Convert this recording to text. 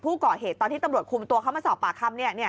ผู้ก่อเหตุตอนที่ตำรวจคุมตัวเข้ามาสอบปากคำเนี่ย